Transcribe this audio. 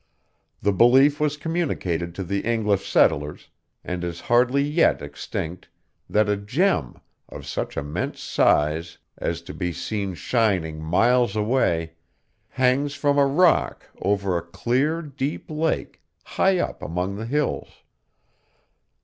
The belief was communicated to the English settlers, and is hardly yet extinct, that a gem, of such immense size as to be seen shining miles away, hangs from a rock over a clear, deep lake, high up among the hills.